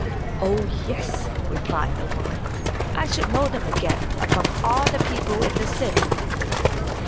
"Oh yes," replied the woman, "I should know them again among all the people in the city."